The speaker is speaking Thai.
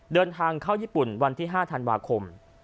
เดินทางเข้าญี่ปุ่นวันที่๕ธันวาคม